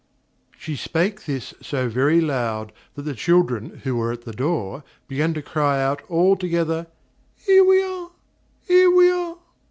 She spake this so very loud, that the children who were at the door, began to cry out all together: "Here we are, here we are."